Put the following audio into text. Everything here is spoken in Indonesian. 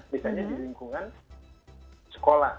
misalnya di lingkungan sekolah